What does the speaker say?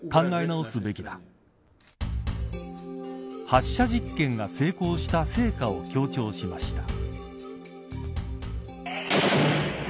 発射実験が成功した成果を強調しました。